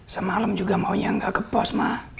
semalam juga maunya gak ke pos ma